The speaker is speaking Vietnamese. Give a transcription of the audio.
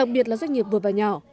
việc là doanh nghiệp vừa và nhỏ